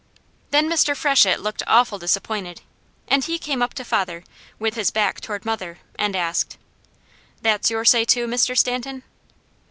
Then Mr. Freshett looked awful disappointed, and he came up to father, with his back toward mother, and asked: "That's your say too, Mr. Stanton?"